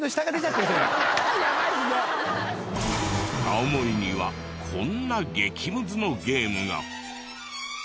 青森にはこんな激ムズのゲームが！